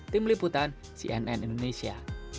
tim liputan cnn indonesia